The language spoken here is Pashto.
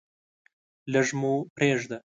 لږ مو پریږده.